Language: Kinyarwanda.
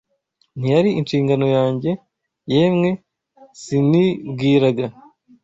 Ntiyari inshingano yanjye, yemwe sinibwiraga